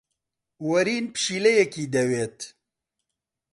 وەرین پشیلەیەکی دەوێت.